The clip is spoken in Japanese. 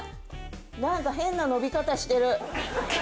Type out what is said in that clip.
なんか変な伸び方してる。